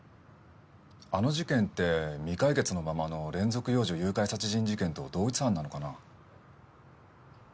あの事件って未解決のままの連続幼女誘拐殺人事件と同一犯なのかな？